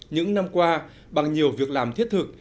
những năm qua bằng nhiều việc làm thiết thực